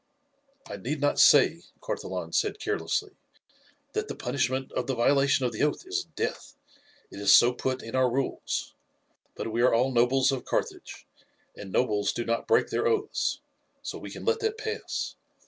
"I need not say," Carthalon said carelessly, "that the punishment of the violation of the oath is death. It is so put in our rules. But we are all nobles of Carthage, and nobles do not break their oaths, so we can let that pass.